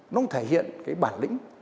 nó thể hiện cái bản lĩnh